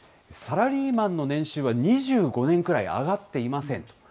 サラリーマンの年収は２５年くらい上がっていませんと。